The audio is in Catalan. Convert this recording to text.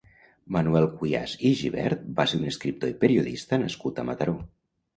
Manuel Cuyàs i Gibert va ser un escriptor i periodista nascut a Mataró.